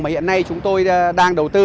mà hiện nay chúng tôi đang đầu tư